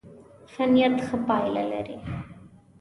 ښه نيت ښه پایله لري.